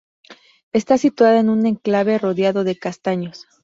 Está situada en un enclave rodeado de castaños.